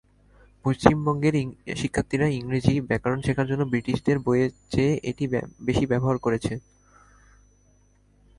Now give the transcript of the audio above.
পশ্চিমবঙ্গের শিক্ষার্থীরা ইংরেজি ব্যাকরণ শেখার জন্য ব্রিটিশদের বইয়ের চেয়ে এটি বেশি ব্যবহার করেছে।